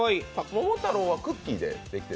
桃太郎はクッキーでできてる？